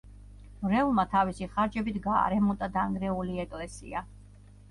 მრევლმა თავისი ხარჯებით გაარემონტა დანგრეული ეკლესია.